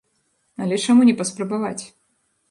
Але чаму не паспрабаваць?